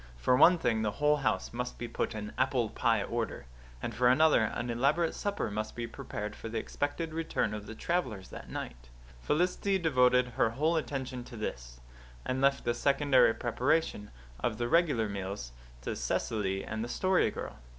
For one thing, the whole house must be put in apple pie order; and for another, an elaborate supper must be prepared for the expected return of the travellers that night. Felicity devoted her whole attention to this, and left the secondary preparation of the regular meals to Cecily and the Story Girl.